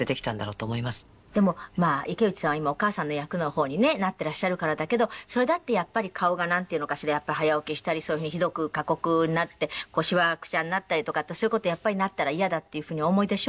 でもまあ池内さんは今お母さんの役の方にねなってらっしゃるからだけどそれだってやっぱり顔がなんていうのかしら早起きしたりそういう風にひどく過酷になってしわくちゃになったりとかってそういう事になったらイヤだっていう風にお思いでしょ？